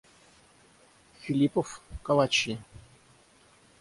Филиппов, калачи.